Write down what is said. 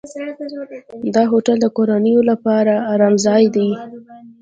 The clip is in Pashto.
دا هوټل د کورنیو لپاره آرام ځای دی.